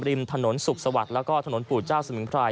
ริมถนนสุขสวัสดิ์แล้วก็ถนนปู่เจ้าสมิงพราย